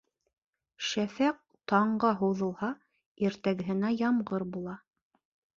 Шәфәҡ таңға һуҙылһа, иртәгеһенә ямғыр була.